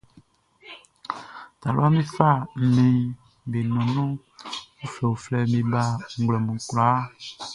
Taluaʼm be fa nnɛnʼm be nɔnnɔn uflɛuflɛʼn be ba nglɛmun kwlaa.